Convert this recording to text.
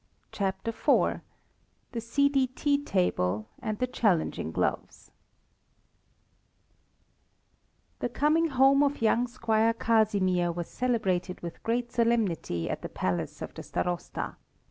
CHAPTER IV THE CDT TABLE AND THE CHALLENGING GLOVES The coming home of young Squire Casimir was celebrated with great solemnity at the palace of the Starosta.